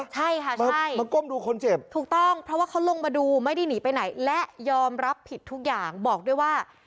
ใช่ค่ะใช่มาก้มดูคนเจ็บถูกต้องเพราะว่าเขาลงมาดูไม่ได้หนีไปไหนและยอมรับผิดทุกอย่างบอกด้วยว่า